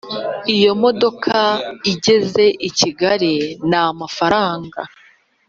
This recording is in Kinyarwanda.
iyo modoka igeze i kigali n amafaranga